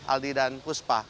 aldi dan puspa